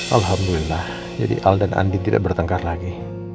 alhamdulillah jadi al dan andi tidak bertengkar lagi